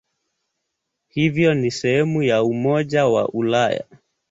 Hivyo ni sehemu ya Umoja wa Ulaya.